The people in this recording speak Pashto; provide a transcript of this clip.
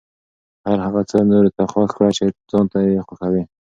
هر هغه څه نورو ته خوښ کړه چې ځان ته یې خوښوې.